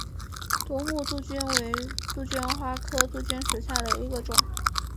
夺目杜鹃为杜鹃花科杜鹃属下的一个种。